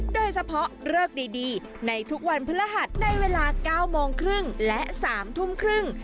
โดยเฉพาะเลิกดีในทุกวันพฤหัสในเวลา๙โมงครึ่งและ๓ทุ่มครึ่ง